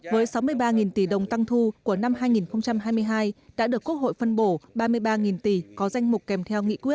với sáu mươi ba tỷ đồng tăng thu của năm hai nghìn hai mươi hai đã được quốc hội phân bổ ba mươi ba tỷ có danh mục kèm theo nghị quyết